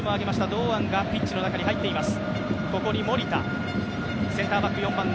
堂安がピッチの中に入っています。